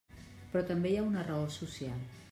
Però també hi ha una raó social.